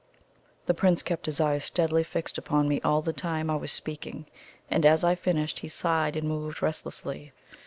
The Prince kept his eyes steadily fixed upon me all the time I was speaking, and as I finished, he sighed and moved restlessly.